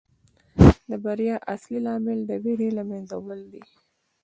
د بریا اصلي لامل د ویرې له منځه وړل دي.